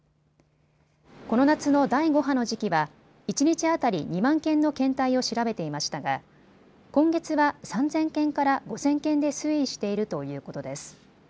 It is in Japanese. この夏の第５波の時期は一日当たり２万件の検体を調べていましたが今月は３０００件から５０００件で推移しているということです。